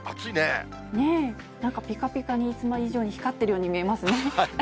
なんかぴかぴかに、いつも以上に光ってるように見えますね。